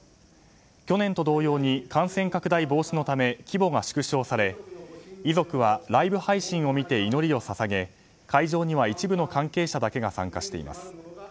去年と同様に感染拡大防止のため規模が縮小され遺族はライブ配信を見て祈りを捧げ会場には一部の関係者だけが参加しています。